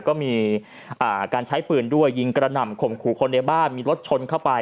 ก็มีการใช้ปืนด้วยยิงกระหน่ำข่มขู่คนในบ้านมีรถชนเข้าไป